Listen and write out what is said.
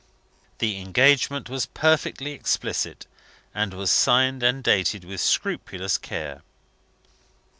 The engagement was perfectly explicit, and was signed and dated with scrupulous care.